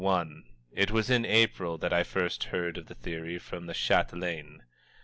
[Footnote 1: It was in April that I first heard of the Theory from the Chatelaine.